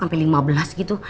sampai lima belas gitu